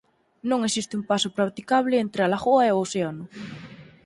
Non existe un paso practicable entre a lagoa e o océano.